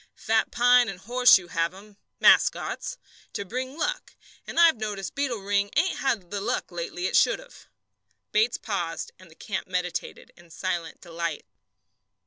Fat Pine and Horseshoe have 'em mascots to bring luck, and I've noticed Beetle Ring ain't had the luck lately it should have." Bates paused, and the camp meditated in silent delight.